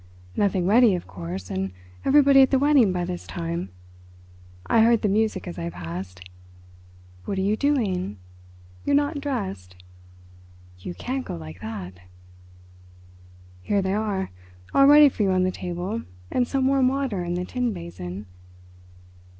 "Nothing ready, of course, and everybody at the wedding by this time. I heard the music as I passed. What are you doing? You're not dressed. You can't go like that." "Here they are—all ready for you on the table, and some warm water in the tin basin.